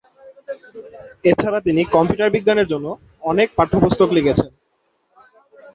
এছাড়া তিনি কম্পিউটার বিজ্ঞানের জন্য অনেক পাঠ্যপুস্তক লিখেছেন।